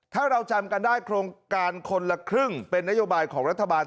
ถ้าเราจำกันได้โครงการคนละครึ่งเป็นนโยบายของรัฐบาล